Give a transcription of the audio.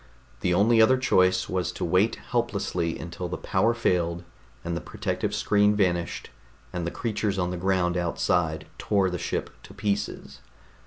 The only other choice was to wait helplessly until the power failed and the protective screen vanished and the creatures on the ground outside tore the ship to pieces.